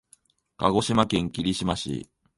鹿児島県霧島市